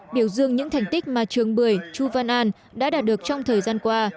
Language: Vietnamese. biểu dương những thành tích mà trường bưởi chu văn an đã đạt được trong thời gian qua